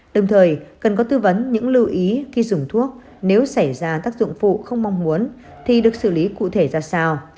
đồng thời cần có tư vấn những lưu ý khi dùng thuốc nếu xảy ra tác dụng phụ không mong muốn thì được xử lý cụ thể ra sao